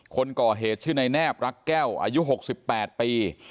คนก่อเหตุชื่อนายแนบรักแก้วอายุ๖๘ปี